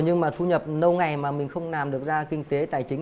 nhưng mà thu nhập nâu ngày mà mình không làm được ra kinh tế tài chính